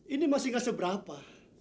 ini masih gak seberapa